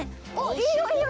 いいよいいよ！